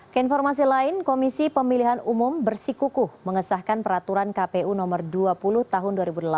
keinformasi lain komisi pemilihan umum bersikukuh mengesahkan peraturan kpu nomor dua puluh tahun dua ribu delapan belas